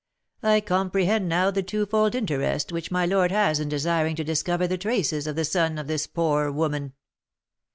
"I comprehend now the twofold interest which my lord has in desiring to discover the traces of the son of this poor woman."